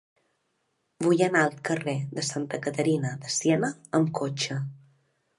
Vull anar al carrer de Santa Caterina de Siena amb cotxe.